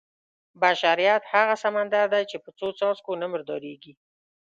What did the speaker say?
بشریت هغه سمندر دی چې په څو څاڅکو نه مردارېږي.